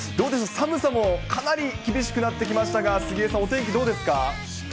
寒さもかなり厳しくなってきましたが、杉江さん、お天気、どうですか。